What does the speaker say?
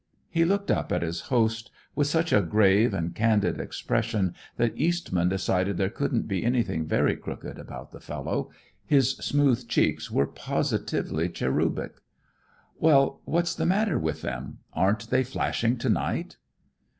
He looked up at his host with such a grave and candid expression that Eastman decided there couldn't be anything very crooked about the fellow. His smooth cheeks were positively cherubic. "Well, what's the matter with them? Aren't they flashing to night?"